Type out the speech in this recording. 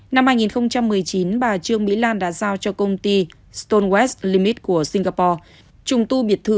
năm hai nghìn một mươi chín bà trương mỹ lan đã giao cho công ty stolt limit của singapore trùng tu biệt thự